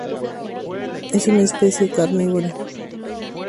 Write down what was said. Es una especie carnívora.